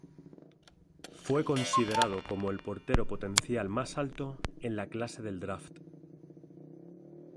Fue considerado como el portero potencial más alto en la clase del draft.